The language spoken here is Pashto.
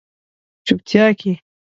په چوپتیا کې